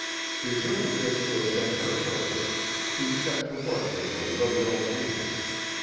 Presuming this to have been her purpose, she set to work with a liberal hand.